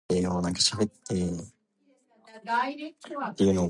Rankin hollered shouts of communism!